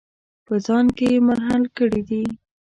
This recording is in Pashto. په ځان کې یې منحل کړي دي.